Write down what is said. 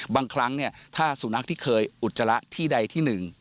บางครั้งถ้าสุนัขที่เคยอุจจาระที่ใดที่หนึ่ง